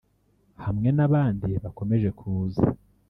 hamwe n’abandi bakomeje kuza